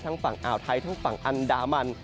ฝั่งอ่าวไทยทั้งฝั่งอันดามัน